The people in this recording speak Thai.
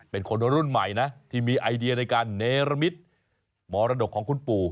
เป็นคนรุ่นใหม่นะที่มีไอเดียในการเนรมิตมรดกของคุณปู่